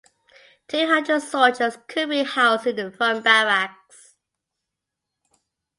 Two hundred soldiers could be housed in the front barracks.